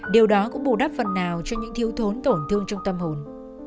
điều đó cũng bù đắp phần nào cho những thiếu thốn tổn thương trong tâm hồn